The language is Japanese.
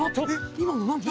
・今の何？